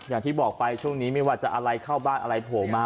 อย่างที่บอกไปช่วงนี้ไม่ว่าจะอะไรเข้าบ้านอะไรโผล่มา